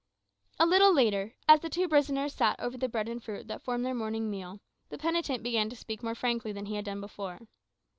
A little later, as the two prisoners sat over the bread and fruit that formed their morning meal, the penitent began to speak more frankly than he had done before.